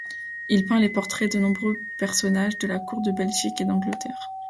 Il peint les portraits de nombreux personnages de la cour de Belgique et d'Angleterre.